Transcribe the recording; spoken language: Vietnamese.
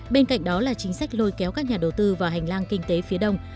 bên cạnh đó là chính sách lôi kéo các nhà đầu tư vào hành lang kinh tế phía đông